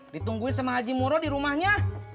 ditungguin sama haji muro di rumahnya